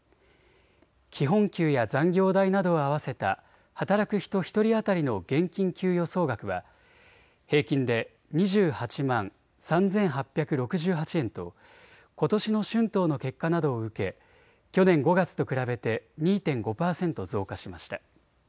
基本給や残業代などを合わせた働く人１人当たりの現金給与総額は平均で２８万３８６８円とことしの春闘の結果などを受け去年５月と比べて２．５％増加しました。